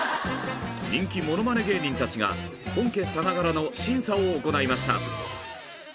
人気ものまね芸人たちが本家さながらの審査を行いました。